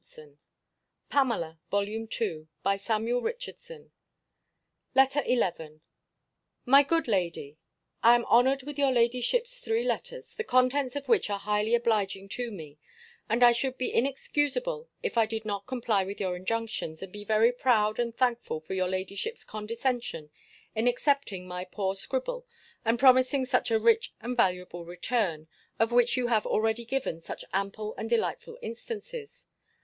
So, Pamela, for this time, Adieu. LETTER XI MY GOOD LADY, I am honoured with your ladyship's three letters, the contents of which are highly obliging to me: and I should be inexcusable if I did not comply with your injunctions, and be very proud and thankful for your ladyship's condescension in accepting of my poor scribble, and promising such a rich and valuable return; of which you have already given such ample and delightful instances.